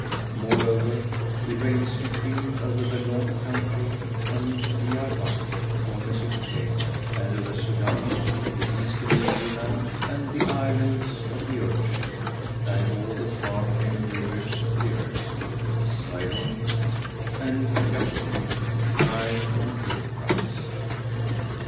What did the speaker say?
Moreover, he reigned supreme over the north country and Diyár Bakr, or Mesopotamia, and over Sudán, the Eastern Negro land and the Islands of the Ocean, and all the far famed rivers of the earth, Sayhún and Jayhún,[FN#142] Nile and Euphrates.